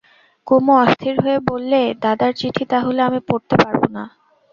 কুমু অস্থির হয়ে বললে, দাদার চিঠি তা হলে আমি পড়তে পাব না?